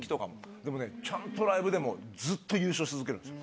でもちゃんとライブでもずっと優勝し続ける。